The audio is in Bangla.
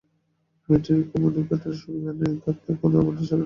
মেয়েটির কম্যুনিকেটরের সুবিধা নেই, থাকলে এক্ষুণি আপনার সঙ্গে যোগাযোগ করিয়ে দিতাম।